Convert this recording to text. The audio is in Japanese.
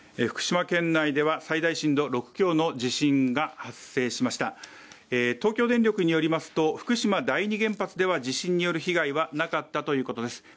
福島県内では最大震度６強の地震が発生しました東京電力によりますと、福島第２原発では地震による被害はなかったということです